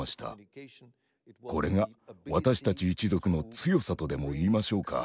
これが私たち一族の強さとでもいいましょうか。